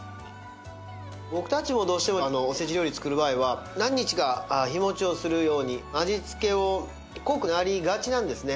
僕達もどうしてもおせち料理作る場合は何日か日持ちをするように味つけを濃くなりがちなんですね